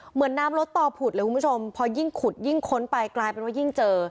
เหมือนน้ำลดต่อผุดเลยคุณผู้ชมพอยิ่งขุดยิ่งค้นไปกลายเป็นว่ายิ่งเจอ